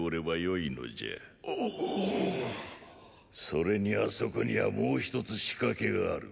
それにあそこにはもう一つ仕掛けがある。